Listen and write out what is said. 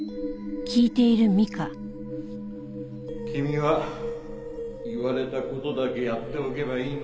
君は言われた事だけやっておけばいいんだよ。